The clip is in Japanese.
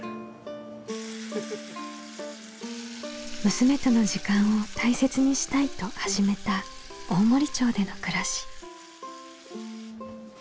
娘との時間を大切にしたいと始めた大森町での暮らし。